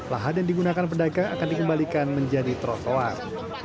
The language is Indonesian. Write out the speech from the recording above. lahan yang digunakan pedagang akan dikembalikan menjadi trotoar